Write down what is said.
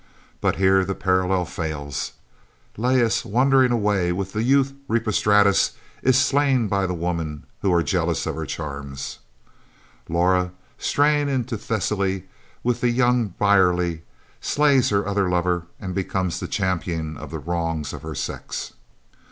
But here the parallel: fails. Lais, wandering away with the youth Rippostratus, is slain by the women who are jealous of her charms. Laura, straying into her Thessaly with the youth Brierly, slays her other lover and becomes the champion of the wrongs of her sex.